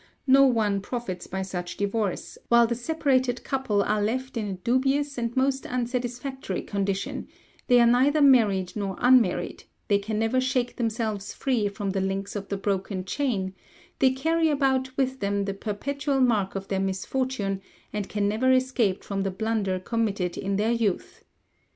No one profits by such divorce, while the separated couple are left in a dubious and most unsatisfactory condition; they are neither married nor unmarried; they can never shake themselves free from the links of the broken chain; they carry about with them the perpetual mark of their misfortune, and can never escape from the blunder committed in their youth.